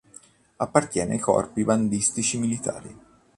Appartiene ai corpi bandistici militari.